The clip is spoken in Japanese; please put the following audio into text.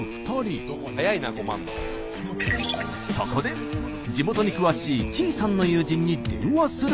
そこで地元に詳しいチイさんの友人に電話することに。